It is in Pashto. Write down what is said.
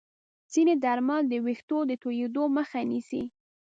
ځینې درمل د ویښتو د توییدو مخه نیسي.